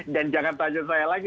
dan jangan tanya saya lagi